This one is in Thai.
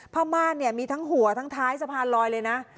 ม่านเนี่ยมีทั้งหัวทั้งท้ายสะพานลอยเลยนะ